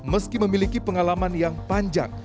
meski memiliki pengalaman yang panjang